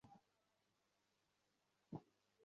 সবাইকে রেখে শুধু আমাকেই কেন নিয়ে এসেছেন?